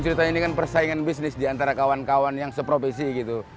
ini kan persaingan bisnis di antara kawan kawan yang seprofesi gitu